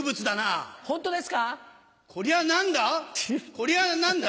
こりゃ何だ？